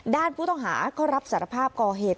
ด้านผู้ต่อหาก็รับสารภาพจริย์